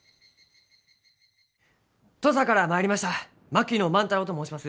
土佐から参りました槙野万太郎と申します。